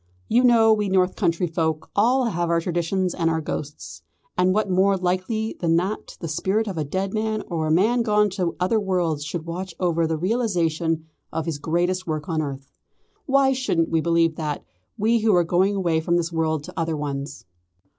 "You know we North country folk all have our traditions and our ghosts; and what more likely than that the spirit of a dead man or a man gone to other worlds should watch over the realisation of his greatest work on earth? Why shouldn't we believe that, we who are going away from this world to other ones?"